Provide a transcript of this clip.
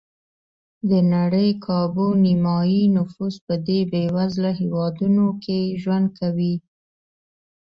د نړۍ کابو نیمایي نفوس په دې بېوزله هېوادونو کې ژوند کوي.